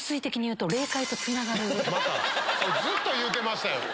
ずっと言うてましたよ。